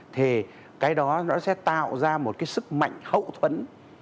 thì cái đó nó sẽ tạo ra một cái sức mạnh hậu thuẫn